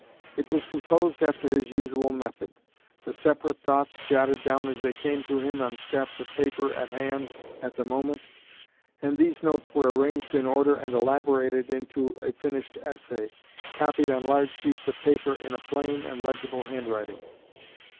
It was composed after his usual method the separate thoughts jotted down as they came to him, on scraps of paper at hand at the moment, and these notes were arranged in order and elaborated into a finished essay, copied on large sheets of paper in a plain and legible handwriting.